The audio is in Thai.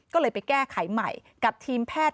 ก็เลยไปแก้ไขใหม่กับทีมแพทย์